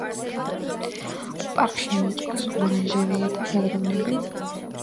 პარკში მოაწყვეს ორანჟერეა და შადრევნები.